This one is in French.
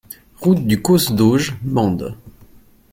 Route du Causse d'Auge, Mende